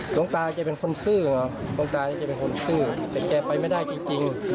ตรงตาแกเป็นคนสื้อแต่แกไปไม่ได้จริง